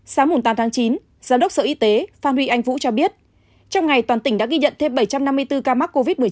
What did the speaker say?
sáng tám tháng chín giám đốc sở y tế phan huy anh vũ cho biết trong ngày toàn tỉnh đã ghi nhận thêm bảy trăm năm mươi bốn ca mắc covid một mươi chín